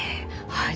はい。